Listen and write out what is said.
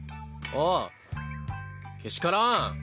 あっけしからん。